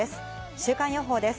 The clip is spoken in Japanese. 週間予報です。